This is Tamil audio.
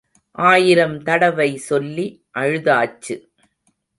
ஆயிரம் தடவை சொல்லி அழுதாச்சு.